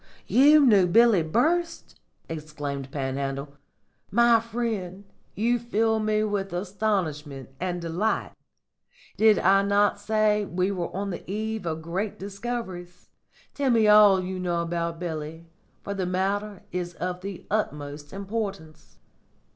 "You knew Billy Burst!" exclaimed Panhandle. "My friend, you fill me with astonishment and delight. Did I not say we were on the eve of great discoveries? Tell me all you know about Billy, for the matter is of the utmost importance."